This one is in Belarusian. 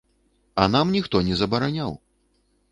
А нам ніхто не забараняў.